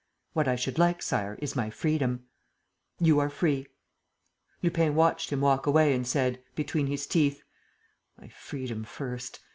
"What I should like, Sire, is my freedom." "You are free." Lupin watched him walk away and said, between his teeth: "My freedom first.